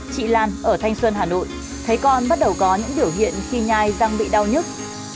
chị lan ở thanh xuân hà nội thấy con bắt đầu có những biểu hiện khi nhai răng bị đau nhức